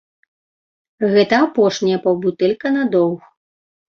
Гэта апошняя паўбутэлька на доўг.